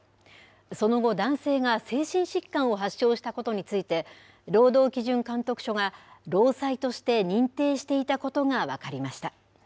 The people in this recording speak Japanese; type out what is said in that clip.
その後、男性が精神疾患を発症したことについて、労働基準監督署が労災として認定していたことが分かりました。